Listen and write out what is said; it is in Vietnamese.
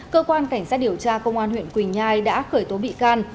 cơ quan cảnh sát điều tra công an huyện quỳnh nhai đã khởi tố bị can